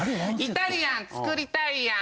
「イタリアン作りたいやん」